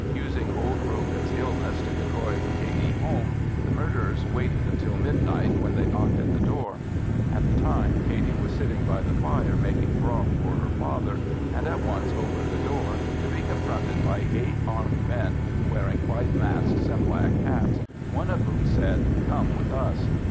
Using old Brogan's illness to decoy Katey home, the murderers waited until midnight, when they knocked at the door. At the time Katey was sitting by the fire making broth for her father, and at once opened the door, to be confronted by eight armed men wearing white masks and black hats, one of whom said, "Come with us."